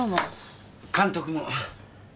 監督も。